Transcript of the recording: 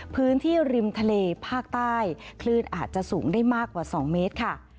พื้นที่ริมทะเลภาคใต้คลื่นอาจจะสูงได้มากกว่า๒เมตรค่ะ